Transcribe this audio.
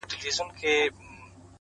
کله شات کله شکري پيدا کيږي؛